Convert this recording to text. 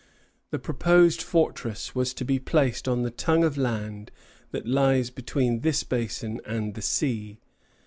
The proposed fortress was to be placed on the tongue of land that lies between this basin and the sea.